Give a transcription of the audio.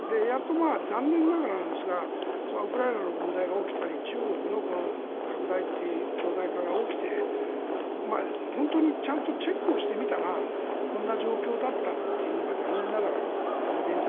残念ながらなんですがウクライナの問題が起きたり中国の拡大・強大化が起きてちゃんとチェックしてみたらこんな状況だったというのが残念ながら現実で。